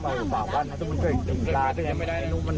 เจ้าหรือยังเจ้าหรือยัง